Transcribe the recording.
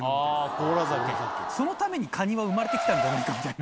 そのためにカニは生まれてきたんじゃないかみたいな。